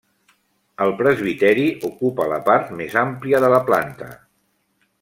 El presbiteri ocupa la part més àmplia de la planta.